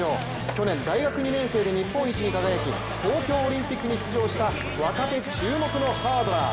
去年、大学２年生で日本一に輝き東京オリンピックに出場した若手注目のハードラー。